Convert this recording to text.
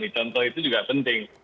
contoh itu juga penting